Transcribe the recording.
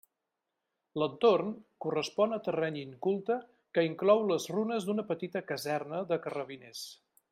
L'entorn correspon a terreny inculte que inclou les runes d'una petita caserna de carrabiners.